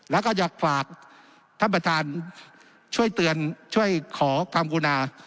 แล้วก็อยากฝากท่านประธานช่วยเตือนช่วยขอความกรุณา